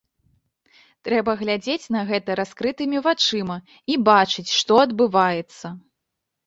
Трэба глядзець на гэта раскрытымі вачыма і бачыць, што адбываецца.